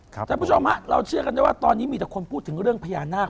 ท่านผู้ชมฮะเราเชื่อกันได้ว่าตอนนี้มีแต่คนพูดถึงเรื่องพญานาค